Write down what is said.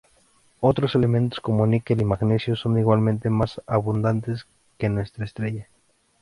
Otros elementos como níquel y magnesio son igualmente más abundantes que en nuestra estrella.